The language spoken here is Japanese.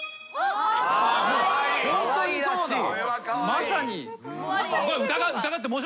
まさに。